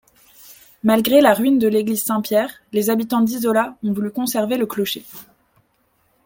Malgré la ruine de l'église Saint-Pierre, les habitants d'Isola ont voulu conserver le clocher.